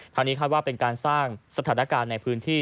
ทางนี้คาดว่าเป็นการสร้างสถานการณ์ในพื้นที่